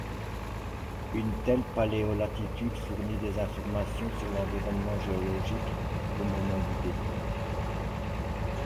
Une telle paléolatitude fournit des informations sur l'environnement géologique, au moment du dépôt.